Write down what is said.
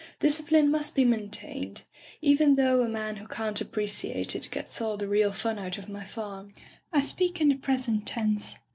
Discipline must be maintained, even though a man who can't appreciate it gets all the real fun out of my farm. I speak in the present tense.